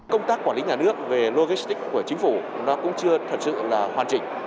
công tác quản lý nhà nước về logistics của chính phủ nó cũng chưa thật sự là hoàn chỉnh